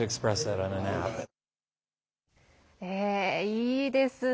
いいですね。